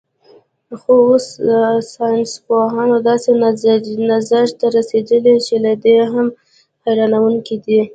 خو اوس ساینسپوهان داسې نظر ته رسېدلي چې له دې هم حیرانوونکی دی.